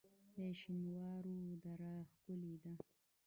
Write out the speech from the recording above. شینوارو دره ښکلې ده؟